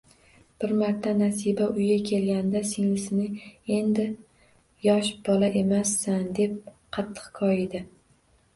Bir marta Nasiba uyga kelganida singlisini endi yosh bola emassan, deb qattiq koyidi